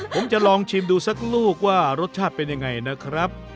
ผมจะลองชิมดูสักลูกว่ารสชาติเป็นยังไงนะครับ